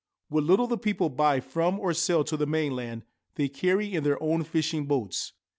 What little the people buy from or sell to the mainland they carry in their own fishing boats.